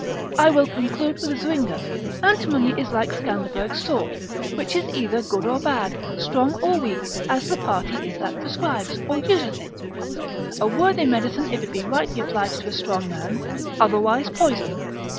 I will conclude with Zuinger, antimony is like Scanderbeg's sword, which is either good or bad, strong or weak, as the party is that prescribes, or useth it: a worthy medicine if it be rightly applied to a strong man, otherwise poison.